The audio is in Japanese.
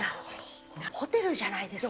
ホテルじゃないですか。